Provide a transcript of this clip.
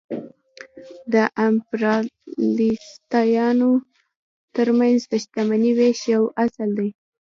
د امپریالیستانو ترمنځ د شتمنۍ وېش یو اصل دی